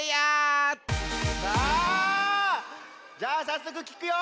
さあじゃあさっそくきくよ。